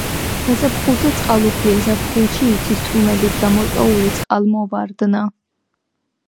გაზაფხულზე წყალუხვია, ზაფხულში იცის წვიმებით გამოწვეული წყალმოვარდნა.